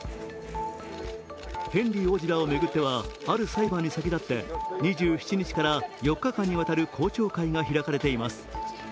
ヘンリー王子らを巡ってはある裁判に先立って２７日から４日間にわたる公聴会が開かれています。